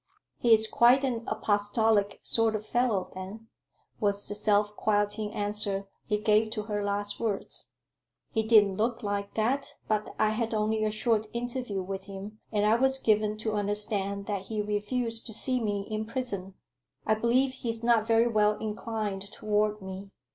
"He's quite an apostolic sort of fellow, then," was the self quieting answer he gave to her last words. "He didn't look like that; but I had only a short interview with him, and I was given to understand that he refused to see me in prison. I believe he's not very well inclined toward me.